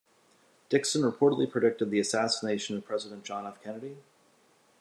Dixon reportedly predicted the assassination of President John F. Kennedy.